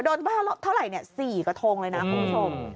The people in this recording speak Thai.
จนว่าเท่าไหร่เนี่ย๔กระทงเลยนะคุณผู้ชม